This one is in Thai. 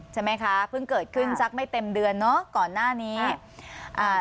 ใช่ไหมคะเพิ่งเกิดขึ้นสักไม่เต็มเดือนเนอะก่อนหน้านี้อ่า